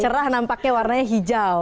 cerah nampaknya warnanya hijau